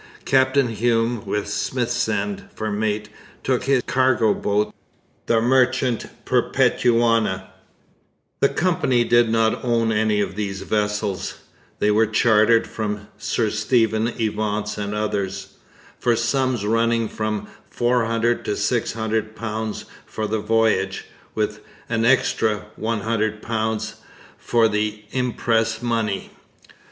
Captain Hume, with Smithsend for mate, took his cargo boat, the Merchant Perpetuana. The Company did not own any of these vessels. They were chartered from Sir Stephen Evance and others, for sums running from £400 to £600 for the voyage, with £100 extra for the impress money.